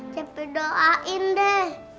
cepi doain deh